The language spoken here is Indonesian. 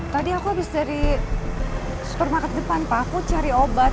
tadi aku abis dari supermarket depan takut cari obat